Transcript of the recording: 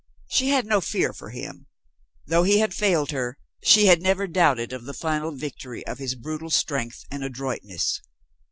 She had no fear for him. Though he failed her, she had never doubted of the final victory of his brutal strength and adroitness.